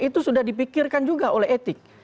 itu sudah dipikirkan juga oleh etik